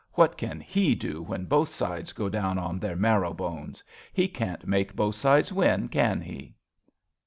What can He do when both sides go down on their marrow bones ? He can't make both sides win, can He